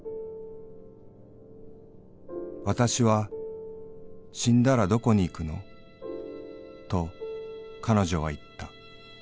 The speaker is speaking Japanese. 「『わたしは死んだらどこに行くの』と彼女は言った。